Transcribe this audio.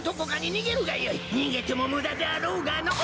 逃げても無駄であろうがのう。